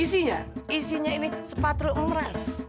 isinya isinya ini sepatu emas